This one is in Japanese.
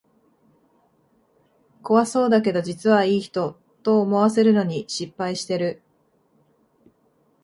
怖そうだけど実はいい人、と思わせるのに失敗してる